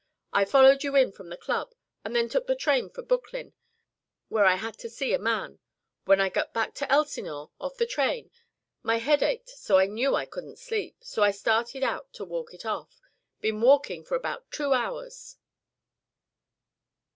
I followed you in from the Club and then took the train for Brooklyn, where I had to see a man. When I got back to Elsinore off the train my head ached so I knew I couldn't sleep so I started out to walk it off been walking for about two hours."